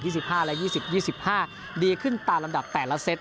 ยี่สิบห้าและยี่สิบยี่สิบห้าดีขึ้นตามธัดแปดละเซต